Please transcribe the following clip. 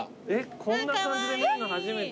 こんな感じで見るの初めて。